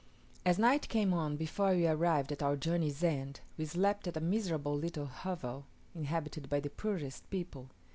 As night came on before we arrived at our journey's end, we slept at a miserable little hovel inhabited by the poorest people.